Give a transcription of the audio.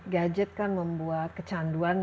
gadget kan membuat kecanduan